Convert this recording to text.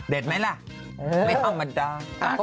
เด็ดไหมล่ะไม่ทำมาดาว